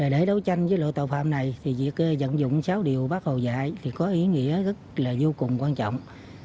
để đấu tranh với lộ tàu phạm này thì việc dận dụng sáu điều bác hồ dạy thì có ý nghĩa rất là vô cùng quan trọng